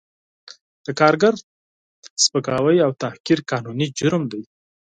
د کارګر توهین او تحقیر قانوني جرم دی